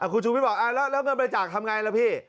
คุณชูวิทย์บอกแล้วเงินบริจาคทำไงล่ะพี่